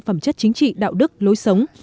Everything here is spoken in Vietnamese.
phẩm chất chính trị đạo đức lối sống